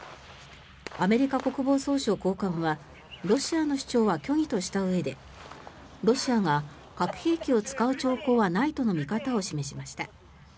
アメリカ国防総省高官はロシアの主張は虚偽としたうえでロシアが核兵器を使う兆候はないとの見方を示しました。